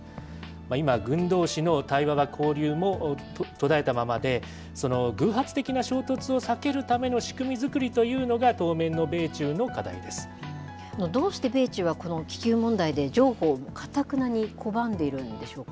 今、軍どうしの対話は交流も途絶えたままで、偶発的な衝突を避けるための仕組み作りというのが、当面の米中のどうして米中はこの気球問題で譲歩をかたくなに拒んでいるんでしょうか。